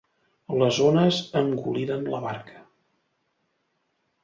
Les ones engoliren la barca.